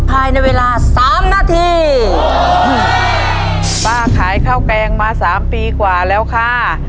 ภายในเวลาสามนาทีป้าขายข้าวแกงมาสามปีกว่าแล้วค่ะ